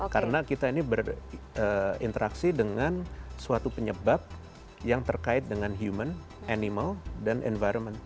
karena kita ini berinteraksi dengan suatu penyebab yang terkait dengan human animal dan environment